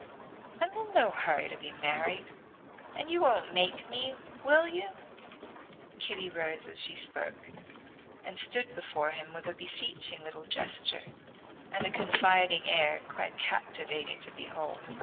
I'm in no hurry to be married; and you won't make me: will you?" Kitty rose as she spoke, and stood before him with a beseeching little gesture, and a confiding air quite captivating to behold.